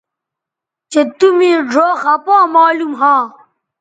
چہء تُو مے ڙھؤ خپا معلوم ھواں